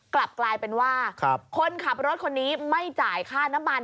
กลับกลายเป็นว่าคนขับรถคนนี้ไม่จ่ายค่าน้ำมัน